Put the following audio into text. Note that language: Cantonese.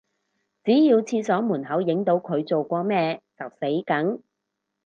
只要廁所門口影到佢做過咩就死梗